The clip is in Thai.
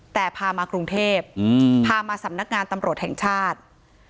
แต่พามากรุงเทพพามาสำนักงานตำรวจแห่งชาติ